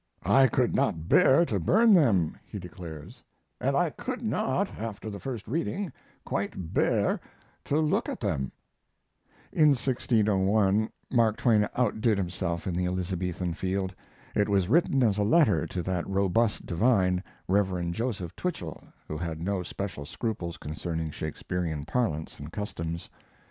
"I could not bear to burn them," he declares, "and I could not, after the first reading, quite bear to look at them." In the 1601 Mark Twain outdid himself in the Elizabethan field. It was written as a letter to that robust divine, Rev. Joseph Twichell, who had no special scruples concerning Shakespearian parlance and customs.